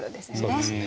そうですね。